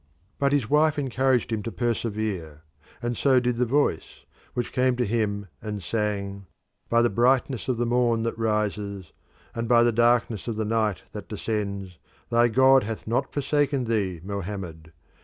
But his wife encouraged him to persevere, and so did the Voice, which came to him and sang: "By the brightness of the morn that rises, and by the darkness of the night that descends, thy God hath not forsaken thee, Mohammed.